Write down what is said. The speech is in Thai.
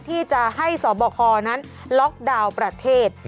ที่จะให้สบคนั้นล็อกดาวน์ประเทศ